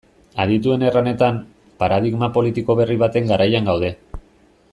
Adituen erranetan, paradigma politiko berri baten garaian gaude.